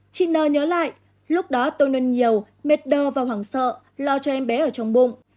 chị n t l nhớ lại lúc đó tôi nôn nhiều mệt đơ và hoảng sợ lo cho em bé ở trong bụng